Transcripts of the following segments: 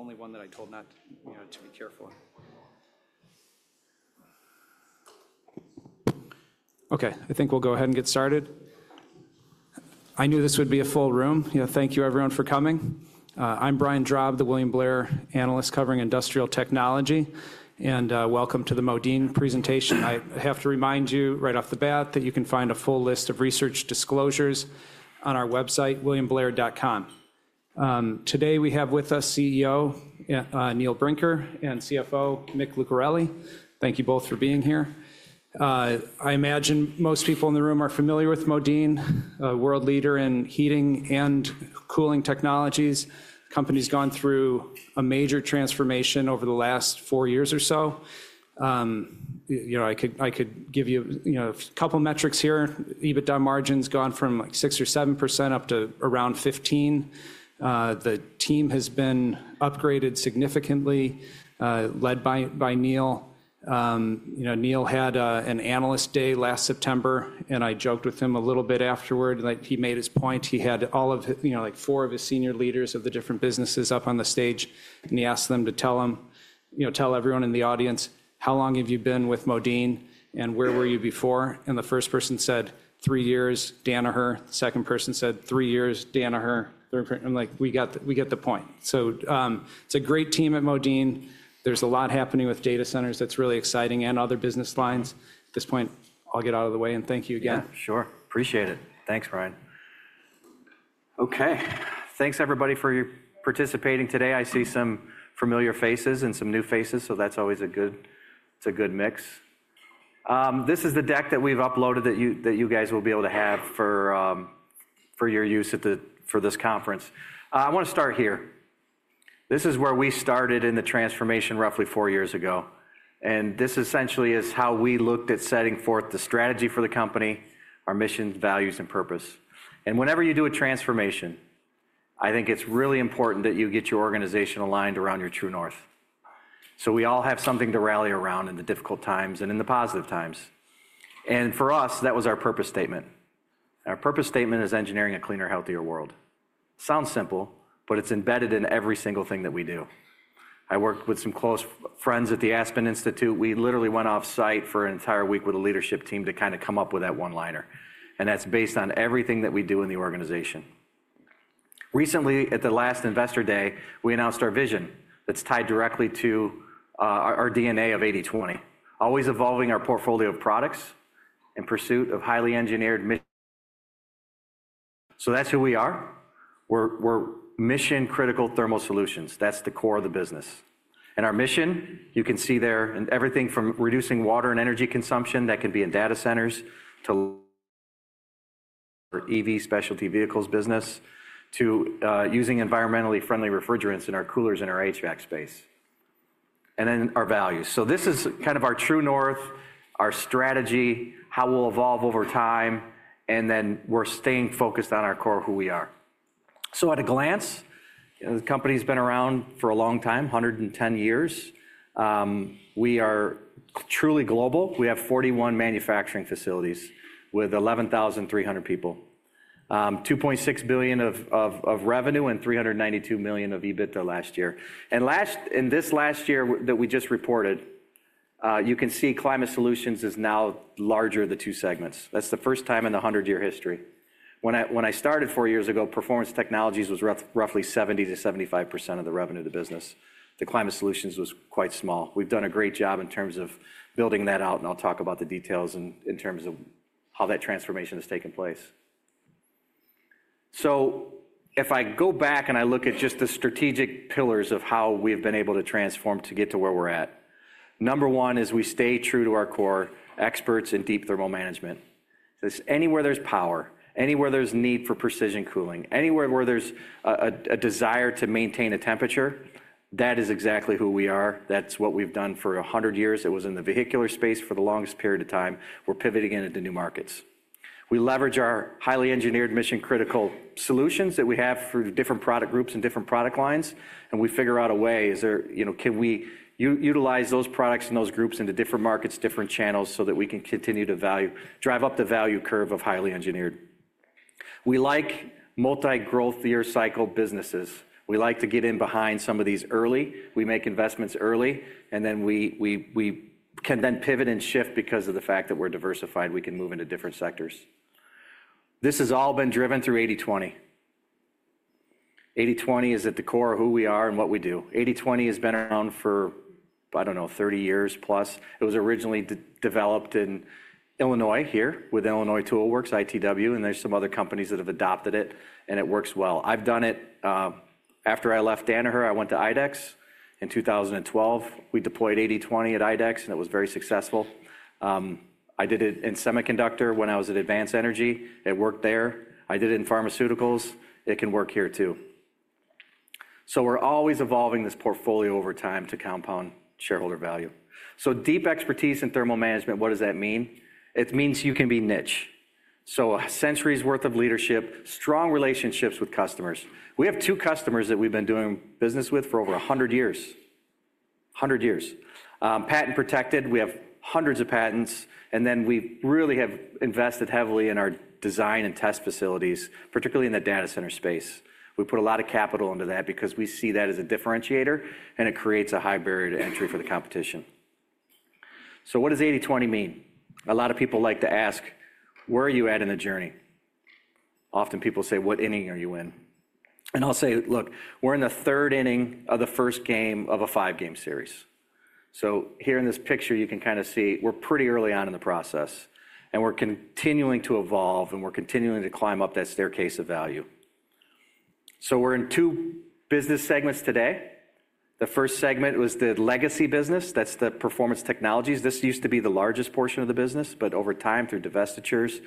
Only one that I told not to be careful. Okay, I think we'll go ahead and get started. I knew this would be a full room. Thank you, everyone, for coming. I'm Brian Drab, the William Blair analyst covering industrial technology, and welcome to the Modine presentation. I have to remind you right off the bat that you can find a full list of research disclosures on our website, williamblair.com. Today we have with us CEO, Neil Brinker and CFO, Mick Lucareli. Thank you both for being here. I imagine most people in the room are familiar with Modine, a world leader in heating and cooling technologies. The company's gone through a major transformation over the last four years or so. I could give you a couple of metrics here. EBITDA margin's gone from 6% or 7% up to around 15%. The team has been upgraded significantly, led by Neil. Neil had an analyst day last September, and I joked with him a little bit afterward. He made his point. He had all four of his senior leaders of the different businesses up on the stage, and he asked them to tell everyone in the audience, "How long have you been with Modine, and where were you before?" And the first person said, "Three years, Danaher." The second person said, "Three years, Danaher." I'm like, "We get the point." It is a great team at Modine. There is a lot happening with data centers that is really exciting and other business lines. At this point, I'll get out of the way, and thank you again. Yeah, sure. Appreciate it. Thanks, Brian. Okay, thanks, everybody, for participating today. I see some familiar faces and some new faces, so that's always a good mix. This is the deck that we've uploaded that you guys will be able to have for your use for this conference. I want to start here. This is where we started in the transformation roughly four years ago. This essentially is how we looked at setting forth the strategy for the company, our mission, values, and purpose. Whenever you do a transformation, I think it's really important that you get your organization aligned around your true north. We all have something to rally around in the difficult times and in the positive times. For us, that was our purpose statement. Our purpose statement is engineering a cleaner, healthier world. Sounds simple, but it's embedded in every single thing that we do. I worked with some close friends at the Aspen Institute. We literally went off-site for an entire week with a leadership team to kind of come up with that one-liner. That's based on everything that we do in the organization. Recently, at the last investor day, we announced our vision that's tied directly to our DNA of 80/20, always evolving our portfolio of products in pursuit of highly engineered mission. That's who we are. We're mission-critical thermal solutions. That's the core of the business. Our mission, you can see there, and everything from reducing water and energy consumption that can be in data centers to EV specialty vehicles business to using environmentally friendly refrigerants in our coolers in our HVAC space. And then our values. This is kind of our true north, our strategy, how we'll evolve over time, and then we're staying focused on our core, who we are. At a glance, the company's been around for a long time, 110 years. We are truly global. We have 41 manufacturing facilities with 11,300 people, $2.6 billion of revenue, and $392 million of EBITDA last year. In this last year that we just reported, you can see Climate Solutions is now larger than two segments. That's the first time in a 100-year history. When I started four years ago, Performance Technologies was roughly 70%-75% of the revenue of the business. The Climate Solutions was quite small. We've done a great job in terms of building that out, and I'll talk about the details in terms of how that transformation has taken place. If I go back and I look at just the strategic pillars of how we've been able to transform to get to where we're at, number one is we stay true to our core, experts in deep thermal management. Anywhere there's power, anywhere there's need for precision cooling, anywhere where there's a desire to maintain a temperature, that is exactly who we are. That's what we've done for 100 years. It was in the vehicular space for the longest period of time. We're pivoting into new markets. We leverage our highly engineered mission-critical solutions that we have through different product groups and different product lines, and we figure out a way, can we utilize those products and those groups into different markets, different channels so that we can continue to drive up the value curve of highly engineered. We like multi-growth year cycle businesses. We like to get in behind some of these early. We make investments early, and then we can then pivot and shift because of the fact that we're diversified. We can move into different sectors. This has all been driven through 80/20. 80/20 is at the core of who we are and what we do. 80/20 has been around for, I don't know, 30 years plus. It was originally developed in Illinois here with Illinois Toolworks, ITW, and there's some other companies that have adopted it, and it works well. I've done it. After I left Danaher, I went to IDEX in 2012. We deployed 80/20 at IDEX, and it was very successful. I did it in semiconductor when I was at Advanced Energy. It worked there. I did it in pharmaceuticals. It can work here too. We are always evolving this portfolio over time to compound shareholder value. Deep expertise in thermal management, what does that mean? It means you can be niche. A century's worth of leadership, strong relationships with customers. We have two customers that we've been doing business with for over 100 years. 100 years. Patent protected. We have hundreds of patents, and then we really have invested heavily in our design and test facilities, particularly in the data center space. We put a lot of capital into that because we see that as a differentiator, and it creates a high barrier to entry for the competition. What does 80/20 mean? A lot of people like to ask, "Where are you at in the journey?" Often people say, "What inning are you in?" I'll say, "Look, we're in the third inning of the first game of a five-game series." Here in this picture, you can kind of see we're pretty early on in the process, and we're continuing to evolve, and we're continuing to climb up that staircase of value. We're in two business segments today. The first segment was the legacy business. That's the performance technologies. This used to be the largest portion of the business, but over time, through divestitures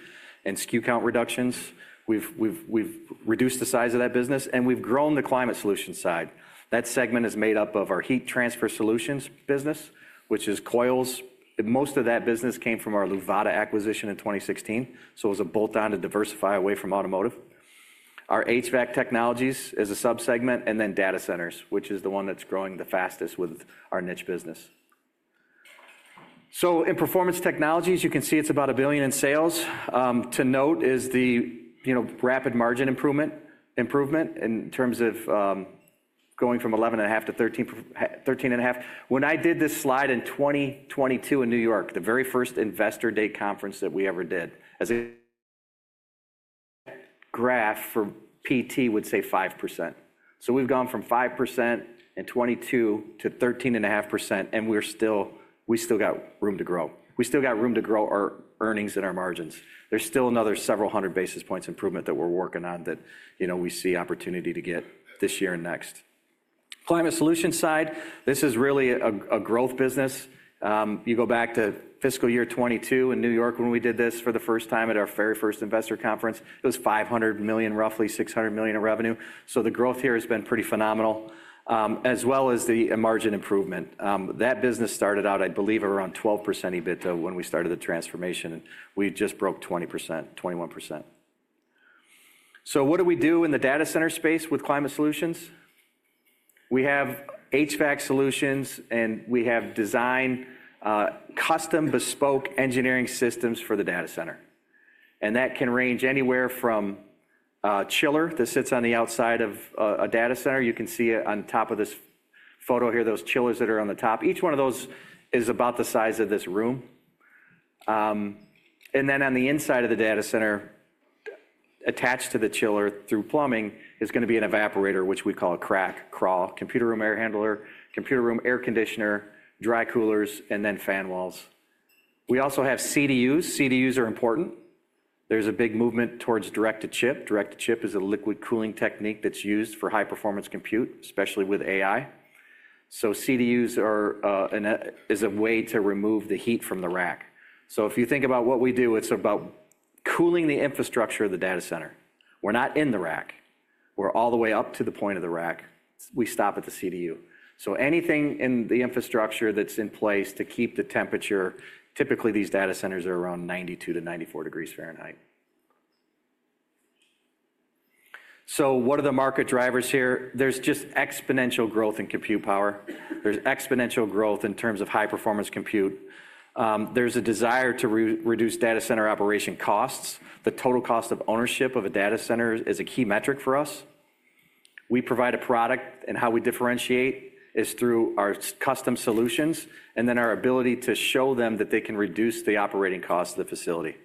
and SKU count reductions, we've reduced the size of that business, and we've grown the climate solution side. That segment is made up of our heat transfer solutions business, which is coils. Most of that business came from our Luvata acquisition in 2016, so it was a bolt-on to diversify away from automotive. Our HVAC technologies is a subsegment, and then data centers, which is the one that's growing the fastest with our niche business. In performance technologies, you can see it's about $1 billion in sales. To note is the rapid margin improvement in terms of going from 11.5% to 13.5%. When I did this slide in 2022 in New York, the very first investor day conference that we ever did, as a graph for PT would say 5%. We have gone from 5% in 2022 to 13.5%, and we still got room to grow. We still got room to grow our earnings and our margins. There's still another several hundred basis points improvement that we're working on that we see opportunity to get this year and next. Climate Solution side, this is really a growth business. You go back to fiscal year 2022 in New York when we did this for the first time at our very first investor conference. It was $500 million, roughly $600 million in revenue. The growth here has been pretty phenomenal, as well as the margin improvement. That business started out, I believe, around 12% EBITDA when we started the transformation, and we just broke 20%, 21%. What do we do in the data center space with climate solutions? We have HVAC solutions, and we have designed custom bespoke engineering systems for the data center. That can range anywhere from a chiller that sits on the outside of a data center. You can see on top of this photo here those chillers that are on the top. Each one of those is about the size of this room. Then on the inside of the data center, attached to the chiller through plumbing, is going to be an evaporator, which we call a CRAC, crawl, computer room air handler, computer room air conditioner, dry coolers, and then fan walls. We also have CDUs. CDUs are important. There's a big movement towards direct-to-chip. Direct-to-chip is a liquid cooling technique that's used for high-performance compute, especially with AI. CDUs are a way to remove the heat from the rack. If you think about what we do, it's about cooling the infrastructure of the data center. We're not in the rack. We're all the way up to the point of the rack. We stop at the CDU. Anything in the infrastructure that's in place to keep the temperature, typically these data centers are around 92 to 94 degrees Fahrenheit. What are the market drivers here? There's just exponential growth in compute power. There's exponential growth in terms of high-performance compute. There's a desire to reduce data center operation costs. The total cost of ownership of a data center is a key metric for us. We provide a product, and how we differentiate is through our custom solutions and then our ability to show them that they can reduce the operating cost of the facility.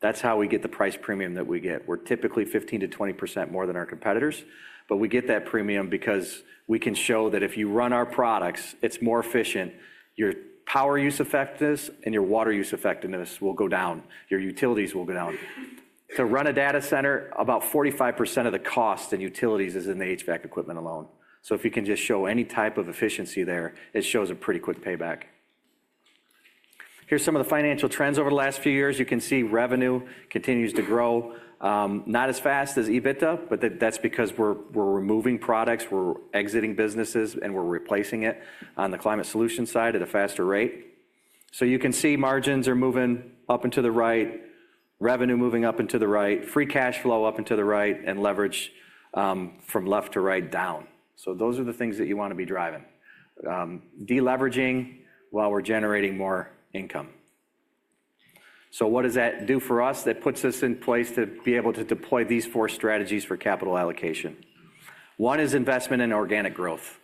That's how we get the price premium that we get. We're typically 15%-20% more than our competitors, but we get that premium because we can show that if you run our products, it's more efficient, your power use effectiveness and your water use effectiveness will go down. Your utilities will go down. To run a data center, about 45% of the cost and utilities is in the HVAC equipment alone. If you can just show any type of efficiency there, it shows a pretty quick payback. Here are some of the financial trends over the last few years. You can see revenue continues to grow. Not as fast as EBITDA, but that's because we're removing products, we're exiting businesses, and we're replacing it on the climate solution side at a faster rate. You can see margins are moving up and to the right, revenue moving up and to the right, free cash flow up and to the right, and leverage from left to right down. Those are the things that you want to be driving. Deleveraging while we're generating more income. What does that do for us? That puts us in place to be able to deploy these four strategies for capital allocation. One is investment in organic growth.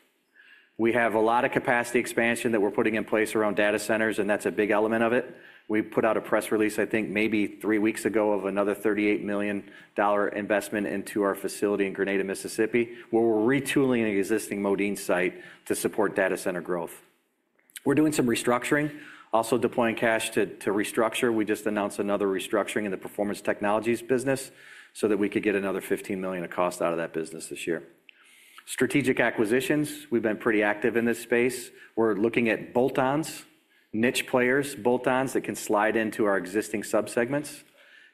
We have a lot of capacity expansion that we are putting in place around data centers, and that is a big element of it. We put out a press release, I think maybe three weeks ago, of another $38 million investment into our facility in Grenada, Mississippi, where we are retooling an existing Modine site to support data center growth. We are doing some restructuring, also deploying cash to restructure. We just announced another restructuring in the performance technologies business so that we could get another $15 million of cost out of that business this year. Strategic acquisitions. We have been pretty active in this space. We are looking at bolt-ons, niche players, bolt-ons that can slide into our existing subsegments.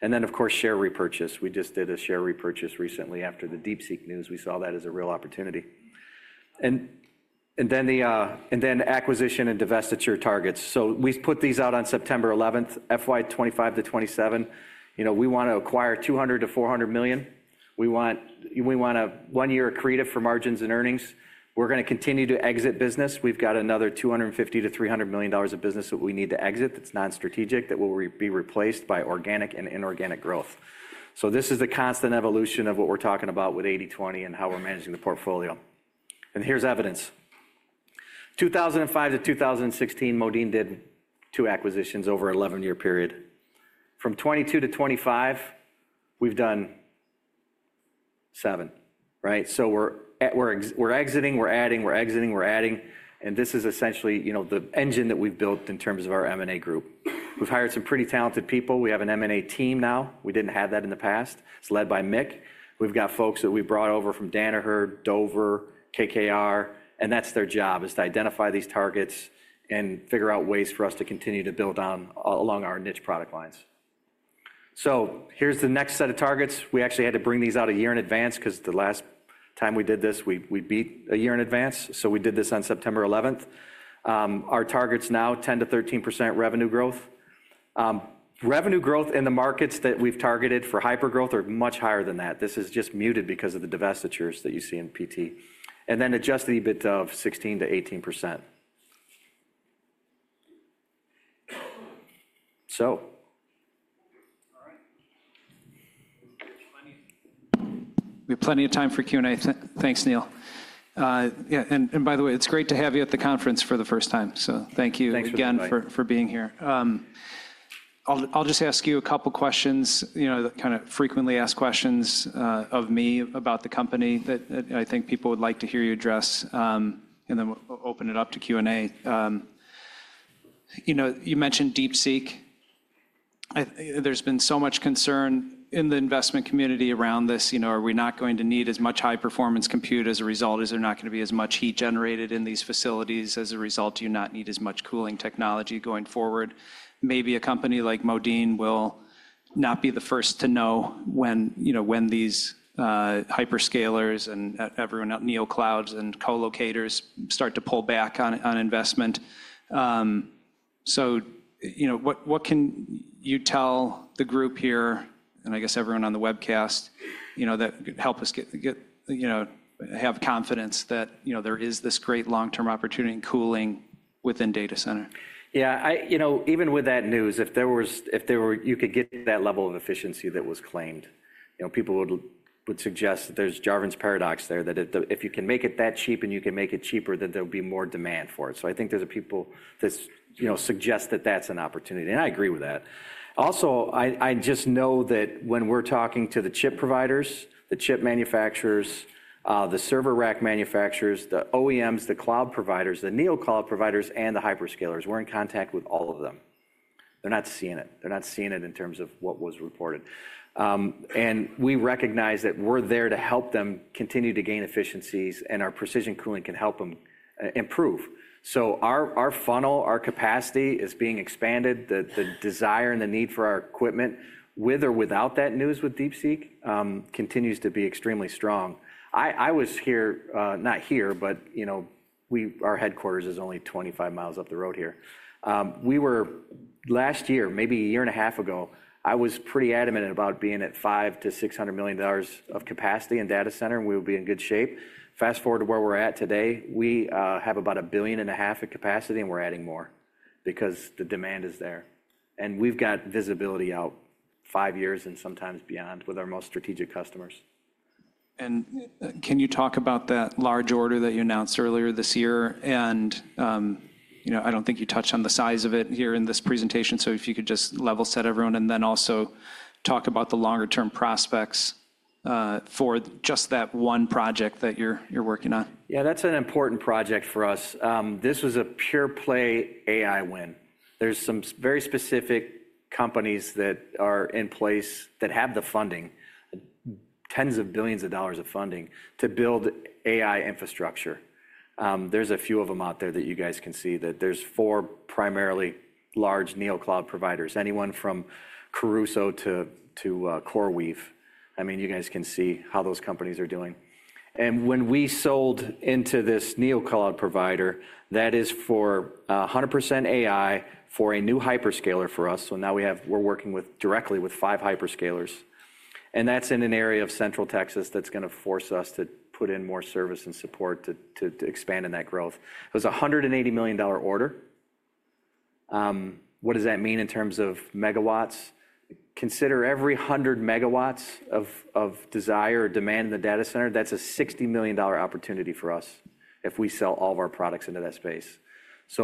And then, of course, share repurchase. We just did a share repurchase recently after the DeepSeek news. We saw that as a real opportunity. Then acquisition and divestiture targets. We put these out on September 11, FY 2025 to 2027. We want to acquire $200 million-$400 million. We want a one-year accretive for margins and earnings. We're going to continue to exit business. We've got another $250 million-$300 million of business that we need to exit that's non-strategic that will be replaced by organic and inorganic growth. This is the constant evolution of what we're talking about with 80/20 and how we're managing the portfolio. Here's evidence. 2005 to 2016, Modine did two acquisitions over an 11-year period. From 2022 to 2025, we've done seven, right? We're exiting, we're adding, we're exiting, we're adding. This is essentially the engine that we've built in terms of our M&A group. We've hired some pretty talented people. We have an M&A team now. We didn't have that in the past. It's led by Mick. We've got folks that we brought over from Danaher, Dover, KKR, and that's their job is to identify these targets and figure out ways for us to continue to build on along our niche product lines. Here is the next set of targets. We actually had to bring these out a year in advance because the last time we did this, we beat a year in advance. We did this on September 11th. Our targets now, 10%-13% revenue growth. Revenue growth in the markets that we've targeted for hypergrowth are much higher than that. This is just muted because of the divestitures that you see in PT. Adjusted EBITDA of 16-18%. We have plenty of time for Q&A. Thanks, Neil. Yeah. By the way, it's great to have you at the conference for the first time. Thank you again for being here. I'll just ask you a couple of questions, kind of frequently asked questions of me about the company that I think people would like to hear you address, and then open it up to Q&A. You mentioned DeepSeek. There's been so much concern in the investment community around this. Are we not going to need as much high-performance compute as a result? Is there not going to be as much heat generated in these facilities as a result? Do you not need as much cooling technology going forward? Maybe a company like Modine will not be the first to know when these hyperscalers and NeoClouds and co-locators start to pull back on investment. What can you tell the group here, and I guess everyone on the webcast, that help us have confidence that there is this great long-term opportunity in cooling within data center? Yeah. Even with that news, if you could get that level of efficiency that was claimed, people would suggest that there's Jevons paradox there, that if you can make it that cheap and you can make it cheaper, then there'll be more demand for it. I think there's people that suggest that that's an opportunity. I agree with that. Also, I just know that when we're talking to the chip providers, the chip manufacturers, the server rack manufacturers, the OEMs, the cloud providers, the NeoCloud providers, and the hyperscalers, we're in contact with all of them. They're not seeing it. They're not seeing it in terms of what was reported. We recognize that we're there to help them continue to gain efficiencies, and our precision cooling can help them improve. Our funnel, our capacity is being expanded. The desire and the need for our equipment, with or without that news with DeepSeek, continues to be extremely strong. I was here, not here, but our headquarters is only 25 miles up the road here. Last year, maybe a year and a half ago, I was pretty adamant about being at $500 million-$600 million of capacity in data center, and we would be in good shape. Fast forward to where we're at today, we have about $1.5 billion of capacity, and we're adding more because the demand is there. We have visibility out five years and sometimes beyond with our most strategic customers. Can you talk about that large order that you announced earlier this year? I do not think you touched on the size of it here in this presentation. If you could just level set everyone and then also talk about the longer-term prospects for just that one project that you are working on. Yeah, that's an important project for us. This was a pure play AI win. There's some very specific companies that are in place that have the funding, tens of billions of dollars of funding to build AI infrastructure. There's a few of them out there that you guys can see that there's four primarily large NeoCloud providers, anyone from Crusoe to CoreWeave. I mean, you guys can see how those companies are doing. And when we sold into this NeoCloud provider, that is for 100% AI for a new hyperscaler for us. Now we're working directly with five hyperscalers. That's in an area of Central Texas that's going to force us to put in more service and support to expand in that growth. It was a $180 million order. What does that mean in terms of megawatts? Consider every 100 MW of desire or demand in the data center. That's a $60 million opportunity for us if we sell all of our products into that space. This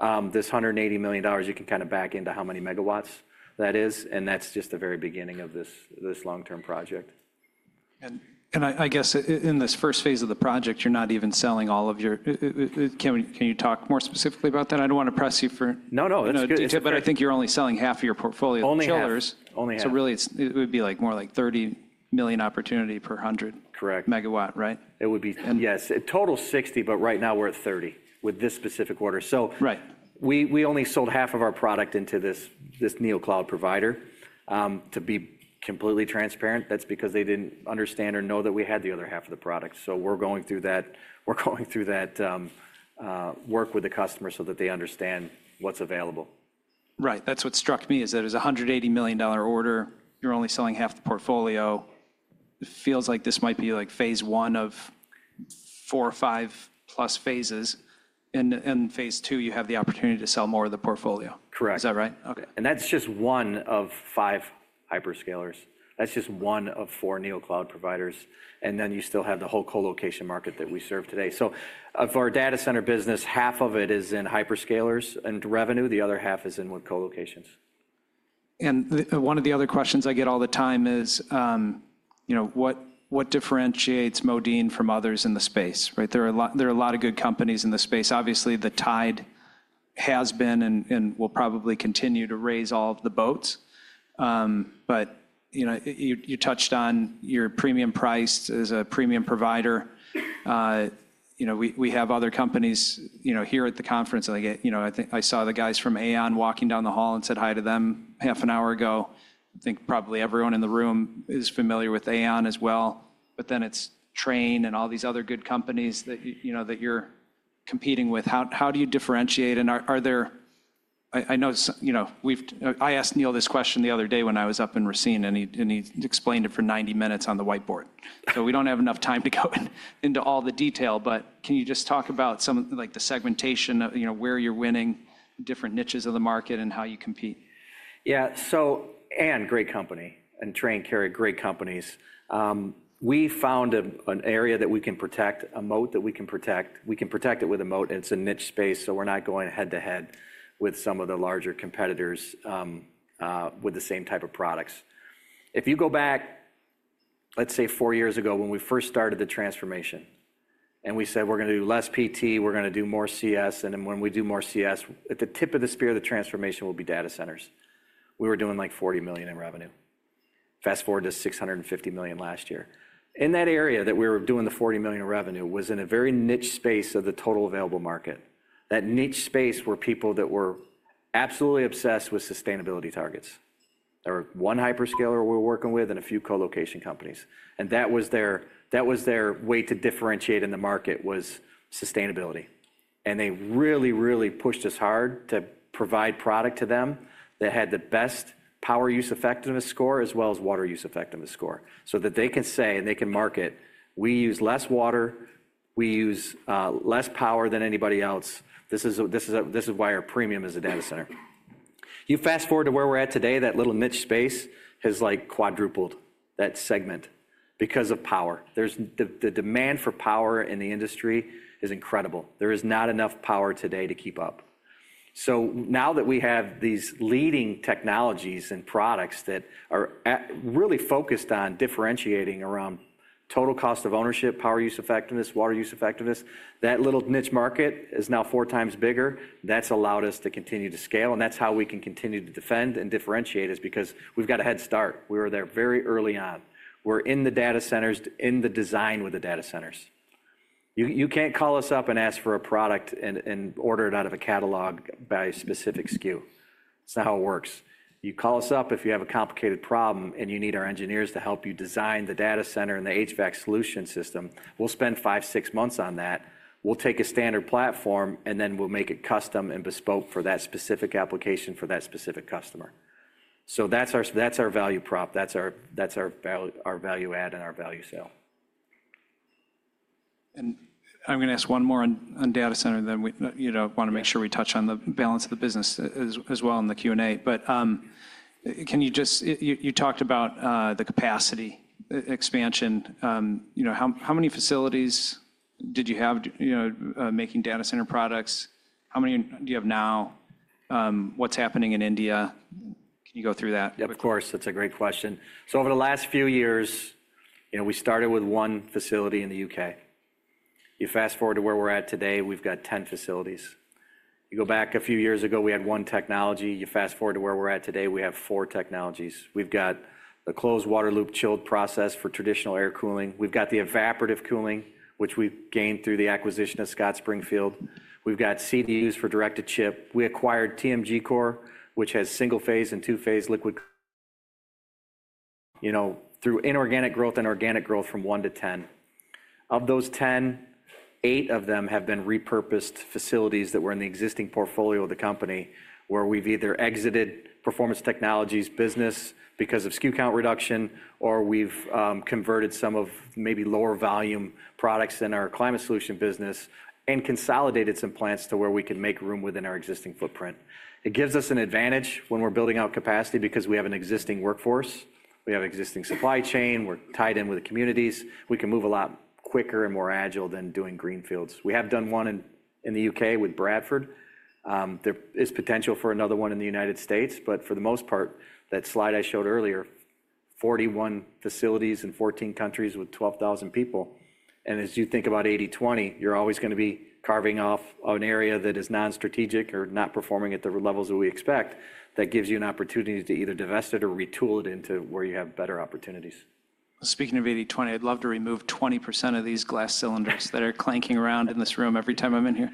$180 million, you can kind of back into how many megawatts that is. That's just the very beginning of this long-term project. I guess in this first phase of the project, you're not even selling all of your—can you talk more specifically about that? I don't want to press you for. No, no. I think you're only selling half of your portfolio of chillers. Only half. It would be more like $30 million opportunity per 100 MW, right? Correct. Yes. Total $60 million, but right now we're at $30 million with this specific order. We only sold half of our product into this NeoCloud provider. To be completely transparent, that's because they didn't understand or know that we had the other half of the product. We're going through that. We're going through that work with the customer so that they understand what's available. Right. That's what struck me is that it's a $180 million order. You're only selling half the portfolio. It feels like this might be like phase one of four or five plus phases. In phase II, you have the opportunity to sell more of the portfolio. Correct. Is that right? Correct. That is just one of five hyperscalers. That is just one of four NeoCloud providers. You still have the whole co-location market that we serve today. Of our data center business, half of it is in hyperscalers and revenue. The other half is in co-locations. One of the other questions I get all the time is, what differentiates Modine from others in the space? There are a lot of good companies in the space. Obviously, the tide has been and will probably continue to raise all of the boats. You touched on your premium price as a premium provider. We have other companies here at the conference. I saw the guys from AAON walking down the hall and said hi to them half an hour ago. I think probably everyone in the room is familiar with AAON as well. It is Trane and all these other good companies that you're competing with. How do you differentiate? I know I asked Neil this question the other day when I was up in Racine, and he explained it for 90 minutes on the whiteboard. We do not have enough time to go into all the detail, but can you just talk about the segmentation, where you are winning different niches of the market and how you compete? Yeah. AAON, great company. Trane and Carrier, great companies. We found an area that we can protect, a moat that we can protect. We can protect it with a moat, and it's a niche space, so we're not going head-to-head with some of the larger competitors with the same type of products. If you go back, let's say four years ago when we first started the transformation and we said, "We're going to do less PT, we're going to do more CS," and then when we do more CS, at the tip of the spear of the transformation will be data centers. We were doing like $40 million in revenue. Fast forward to $650 million last year. In that area that we were doing the $40 million revenue was in a very niche space of the total available market. That niche space were people that were absolutely obsessed with sustainability targets. There was one hyperscaler we were working with and a few co-location companies. That was their way to differentiate in the market, was sustainability. They really, really pushed us hard to provide product to them that had the best power use effectiveness score as well as water use effectiveness score so that they can say and they can market, "We use less water. We use less power than anybody else. This is why our premium is a data center." You fast forward to where we're at today, that little niche space has quadrupled that segment because of power. The demand for power in the industry is incredible. There is not enough power today to keep up. Now that we have these leading technologies and products that are really focused on differentiating around total cost of ownership, power use effectiveness, water use effectiveness, that little niche market is now four times bigger. That has allowed us to continue to scale. That is how we can continue to defend and differentiate, because we have got a head start. We were there very early on. We are in the data centers, in the design with the data centers. You cannot call us up and ask for a product and order it out of a catalog by a specific SKU. That is not how it works. You call us up if you have a complicated problem and you need our engineers to help you design the data center and the HVAC solution system. We will spend five, six months on that. We'll take a standard platform and then we'll make it custom and bespoke for that specific application for that specific customer. That's our value prop. That's our value add and our value sale. I'm going to ask one more on data center that we want to make sure we touch on the balance of the business as well in the Q&A. You talked about the capacity expansion. How many facilities did you have making data center products? How many do you have now? What's happening in India? Can you go through that? Yep, of course. That's a great question. Over the last few years, we started with one facility in the U.K. You fast forward to where we're at today, we've got 10 facilities. You go back a few years ago, we had one technology. You fast forward to where we're at today, we have four technologies. We've got the closed water loop chilled process for traditional air cooling. We've got the evaporative cooling, which we've gained through the acquisition of Scott Springfield. We've got CDUs for direct-to-chip. We acquired TMGcore, which has single-phase and two-phase liquid cooling through inorganic growth and organic growth from one to 10. Of those 10, eight of them have been repurposed facilities that were in the existing portfolio of the company where we've either exited Performance Technologies business because of SKU count reduction, or we've converted some of maybe lower volume products in our Climate Solution business and consolidated some plants to where we can make room within our existing footprint. It gives us an advantage when we're building out capacity because we have an existing workforce. We have existing supply chain. We're tied in with the communities. We can move a lot quicker and more agile than doing greenfields. We have done one in the U.K. with Bradford. There is potential for another one in the United States, but for the most part, that slide I showed earlier, 41 facilities in 14 countries with 12,000 people. As you think about 80/20, you're always going to be carving off an area that is non-strategic or not performing at the levels that we expect. That gives you an opportunity to either divest it or retool it into where you have better opportunities. Speaking of 80/20, I'd love to remove 20% of these glass cylinders that are clanking around in this room every time I'm in here.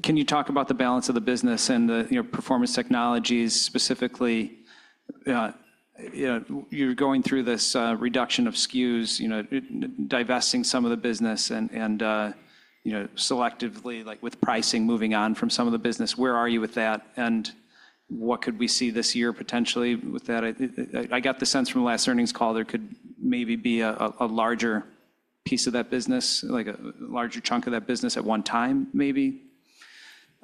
Can you talk about the balance of the business and the Performance Technologies specifically? You're going through this reduction of SKUs, divesting some of the business and selectively, like with pricing, moving on from some of the business. Where are you with that? And what could we see this year potentially with that? I got the sense from last earnings call there could maybe be a larger piece of that business, like a larger chunk of that business at one time, maybe,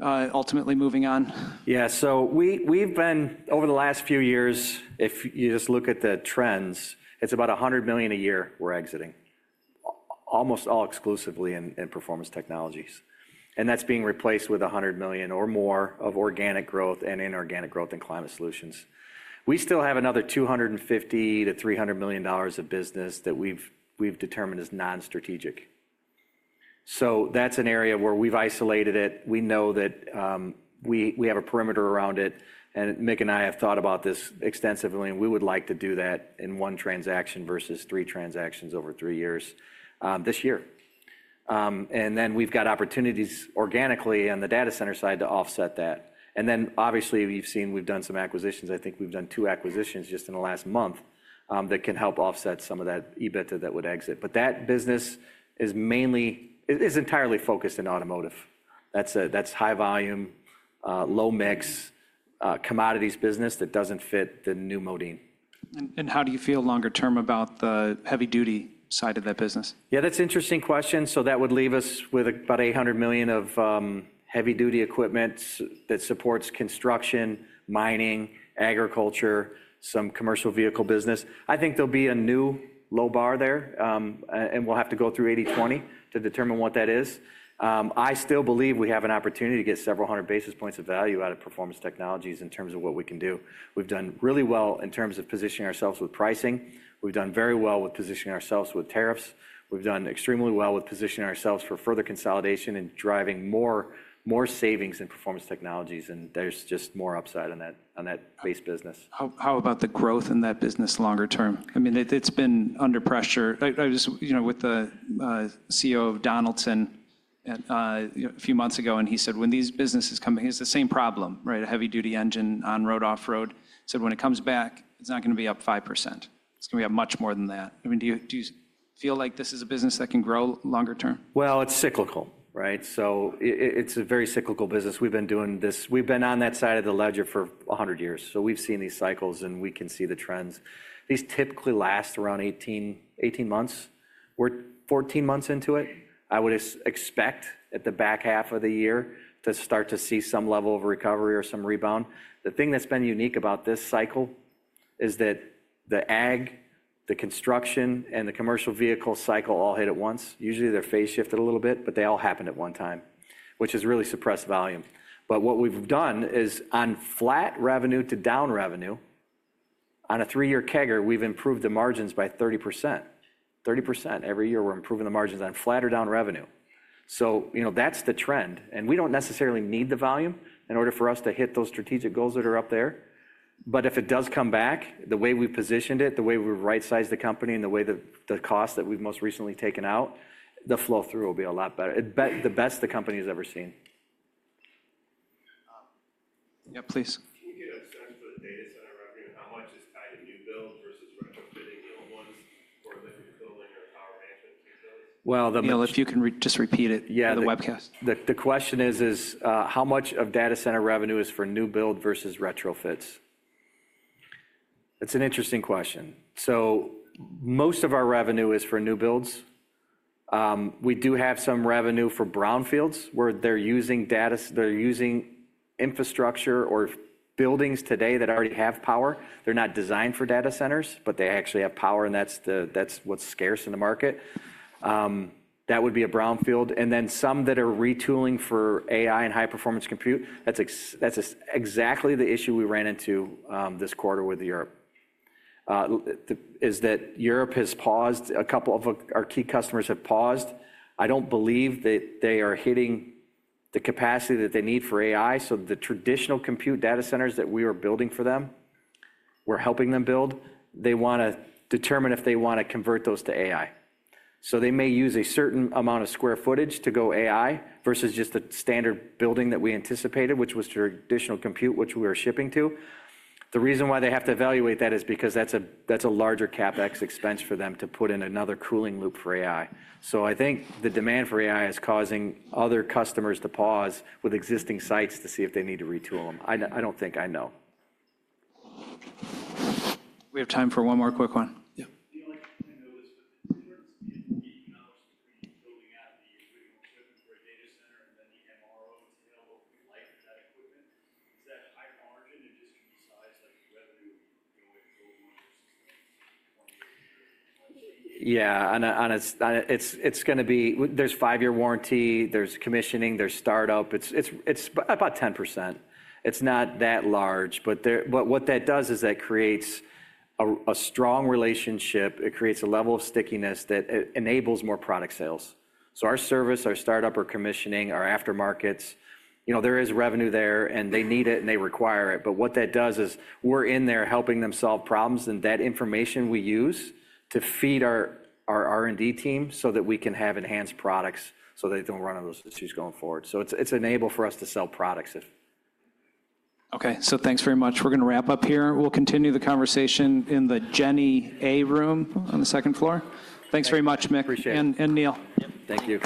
ultimately moving on. Yeah. We've been, over the last few years, if you just look at the trends, it's about $100 million a year we're exiting, almost all exclusively in Performance Technologies. That's being replaced with $100 million or more of organic growth and inorganic growth in Climate Solutions. We still have another $250-$300 million of business that we've determined is non-strategic. That's an area where we've isolated it. We know that we have a perimeter around it. Mick and I have thought about this extensively, and we would like to do that in one transaction versus three transactions over three years this year. We've got opportunities organically on the data center side to offset that. Obviously, we've seen we've done some acquisitions. I think we've done two acquisitions just in the last month that can help offset some of that EBITDA that would exit. That business is entirely focused in automotive. That's high volume, low mix commodities business that doesn't fit the new Modine. How do you feel longer term about the heavy-duty side of that business? Yeah, that's an interesting question. That would leave us with about $800 million of heavy-duty equipment that supports construction, mining, agriculture, some commercial vehicle business. I think there'll be a new low bar there, and we'll have to go through 80/20 to determine what that is. I still believe we have an opportunity to get several hundred basis points of value out of Performance Technologies in terms of what we can do. We've done really well in terms of positioning ourselves with pricing. We've done very well with positioning ourselves with tariffs. We've done extremely well with positioning ourselves for further consolidation and driving more savings in performance technologies. There's just more upside on that base business. How about the growth in that business longer term? I mean, it's been under pressure. I was with the CEO of Donaldson a few months ago, and he said, "When these businesses come back, it's the same problem, right? A heavy-duty engine on road, off road." He said, "When it comes back, it's not going to be up 5%. It's going to be up much more than that." I mean, do you feel like this is a business that can grow longer term? It's cyclical, right? It's a very cyclical business. We've been doing this. We've been on that side of the ledger for 100 years. We've seen these cycles, and we can see the trends. These typically last around 18 months. We're 14 months into it. I would expect at the back half of the year to start to see some level of recovery or some rebound. The thing that's been unique about this cycle is that the ag, the construction, and the commercial vehicle cycle all hit at once. Usually, they're phase shifted a little bit, but they all happen at one time, which has really suppressed volume. What we've done is on flat revenue to down revenue, on a three-year CAGR, we've improved the margins by 30%. 30% every year, we're improving the margins on flat or down revenue. That's the trend. We do not necessarily need the volume in order for us to hit those strategic goals that are up there. If it does come back, the way we have positioned it, the way we have right-sized the company, and the way the cost that we have most recently taken out, the flow through will be a lot better, the best the company has ever seen. Yeah, please. Can you get a sense for the data center revenue, how much is tied to new build versus retrofitting the old ones for liquid cooling or power management systems? If you can just repeat it for the webcast. Yeah. The question is, how much of data center revenue is for new build versus retrofits? It's an interesting question. Most of our revenue is for new builds. We do have some revenue for brownfields where they're using infrastructure or buildings today that already have power. They're not designed for data centers, but they actually have power, and that's what's scarce in the market. That would be a brownfield. And then some that are retooling for AI and high-performance compute. That's exactly the issue we ran into this quarter with Europe is that Europe has paused. A couple of our key customers have paused. I don't believe that they are hitting the capacity that they need for AI. The traditional compute data centers that we were building for them, we're helping them build, they want to determine if they want to convert those to AI. They may use a certain amount of square footage to go AI versus just the standard building that we anticipated, which was traditional compute, which we were shipping to. The reason why they have to evaluate that is because that's a larger CapEx expense for them to put in another cooling loop for AI. I think the demand for AI is causing other customers to pause with existing sites to see if they need to retool them. I don't think I know. We have time for one more quick one. Yeah. Do you like to know this? But the difference in the cost between building out the original equipment for a data center and then the MRO to be able to lighten that equipment, is that high margin and just to be sized like the revenue of going with an old one versus 20-year or 25-year? Yeah. It's going to be there's five-year warranty, there's commissioning, there's startup. It's about 10%. It's not that large. What that does is that creates a strong relationship. It creates a level of stickiness that enables more product sales. Our service, our startup, our commissioning, our aftermarkets, there is revenue there, and they need it and they require it. What that does is we're in there helping them solve problems. That information we use to feed our R&D team so that we can have enhanced products so they don't run into those issues going forward. It's enabled for us to sell products. Okay. Thanks very much. We're going to wrap up here. We'll continue the conversation in the Jenny A room on the second floor. Thanks very much, Mick. Appreciate it. And Neil. Thank you.